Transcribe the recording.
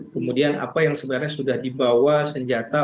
kemudian apa yang sebenarnya sudah dibawa senjata